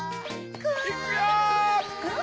・いくよ！